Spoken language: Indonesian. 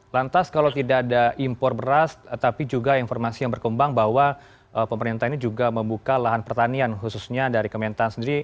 lantas kalau tidak ada impor beras tapi juga informasi yang berkembang bahwa pemerintah ini juga membuka lahan pertanian khususnya dari kementan sendiri